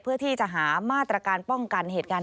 เพื่อที่จะหามาตรการป้องกันเหตุการณ์